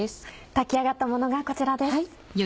炊き上がったものがこちらです。